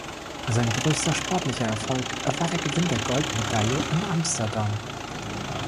Sein größter sportlicher Erfolg war der Gewinn der Goldmedaille in Amsterdam.